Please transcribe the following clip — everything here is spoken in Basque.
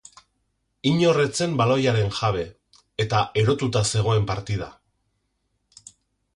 Inor ez zen baloiaren jabe eta erotuta zegoen partida.